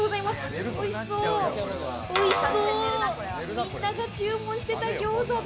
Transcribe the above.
みんなが注文してた餃子だ！